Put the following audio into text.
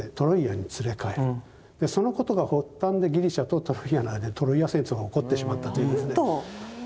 そのことが発端でギリシャとトロイアの間にトロイア戦争が起こってしまったという。